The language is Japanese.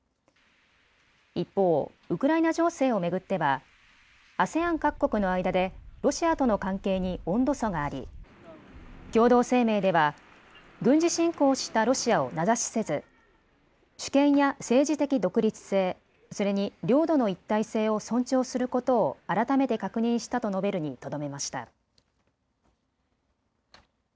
一方、ウクライナ情勢を巡ってはＡＳＥＡＮ各国の間でロシアとの関係に温度差があり共同声明では軍事侵攻したロシアを名指しせず主権や政治的独立性、それに領土の一体性を尊重することを改めて確認したと述べるにとどめました。